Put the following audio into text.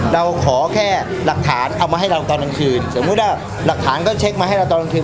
เราขอแค่หลักฐานเอามาให้เราตอนกลางคืนสมมุติว่าหลักฐานก็เช็คมาให้เราตอนกลางคืน